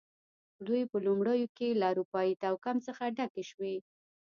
دوی په لومړیو کې له اروپايي توکم څخه ډکې شوې.